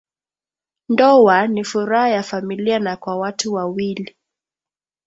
Ndowa ni furaha ya familia na kwa watu wa wili